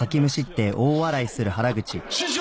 師匠！